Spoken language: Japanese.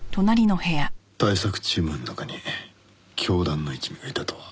対策チームの中に教団の一味がいたとは。